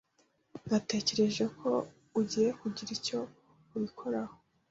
Natekereje ko ugiye kugira icyo ubikoraho.